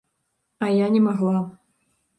А я не магла.